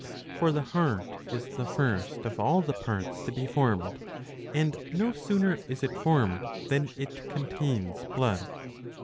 For the heart is the first of all the parts to be formed ; and no sooner is it formed than it contains blood.